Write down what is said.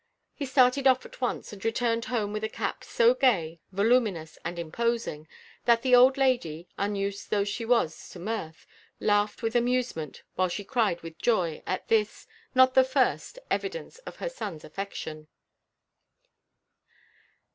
He started off at once, and returned home with a cap so gay, voluminous, and imposing, that the old lady, unused though she was to mirth, laughed with amusement, while she cried with joy, at this (not the first) evidence of her son's affection.